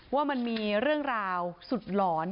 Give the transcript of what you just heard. ว่ามันมีเรื่องราวสุดหลอน